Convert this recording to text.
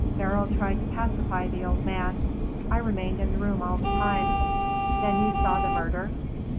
Beryl tried to pacify the old man. I remained in the room all the time " "Then you saw the murder."